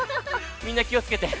みんなきをつけて。